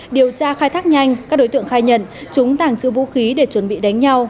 điều tra khai thác nhanh các đối tượng khai nhận chúng tàng trữ vũ khí để chuẩn bị đánh nhau